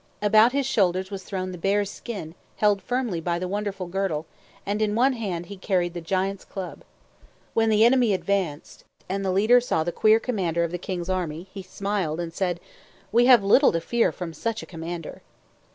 About his shoulders was thrown the bear's skin, held firmly by the wonderful girdle, and in one hand he carried the giant's club. When the enemy advanced, and the leader saw the queer commander of the king's army, he smiled and said, "We have little to fear from such a commander."